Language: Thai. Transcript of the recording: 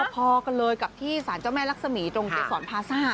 พอกันเลยกับที่สารเจ้าแม่รักษมีตรงเกษรพาซ่า